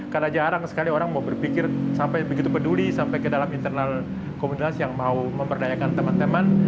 karena jarang sekali orang mau berpikir sampai begitu peduli sampai ke dalam internal komunitas yang mau memperdayakan teman teman